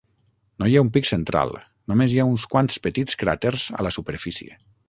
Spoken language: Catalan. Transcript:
No hi ha un pic central, només hi ha uns quants petits cràters a la superfície.